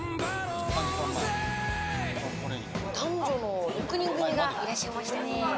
男女の６人組がいらっしゃいましたね。